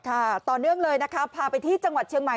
ต่อเนื่องเลยนะคะพาไปที่จังหวัดเชียงใหม่